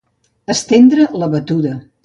Estendre la batuda.